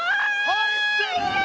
入ってる！